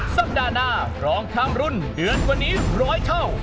สัปดาห์หน้าร้องข้ามรุ่นเดือนกว่านี้๑๐๐เท่า